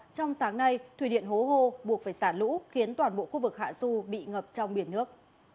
trong sáng nay thủy điện hố hô buộc phải xả lũ khiến toàn bộ khu vực hạ du bị ngập trong biển nước